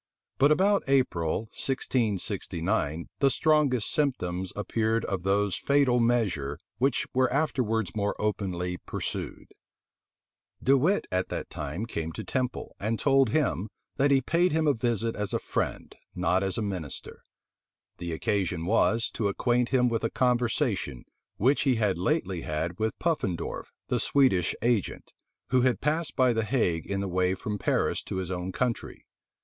[] But about April, 1669 the strongest symptoms appeared of those fatal measure which were afterwards more openly pursued. * D'Estrades, July 21, 1667. See note C, at the end of the volume. De Wit at that time came to Temple, and told him, that he paid him a visit as a friend, not as a minister. The occasion was, to acquaint him with a conversation which he had lately had with Puffendorf, the Swedish agent, who had passed by the Hague in the way from Paris to his own country.